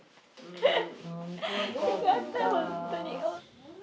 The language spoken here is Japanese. よかった本当に。